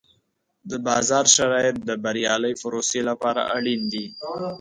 د بازار شرایط د بریالۍ پروسې لپاره اړین دي.